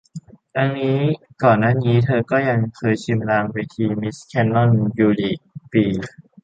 ทั้งนี้ ก่อนหน้านี้เธอก็ยังเคยชิมลางเวทีมิสแคนนอนยูลีก ปี